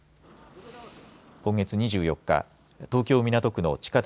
今月２４日東京、港区の地下鉄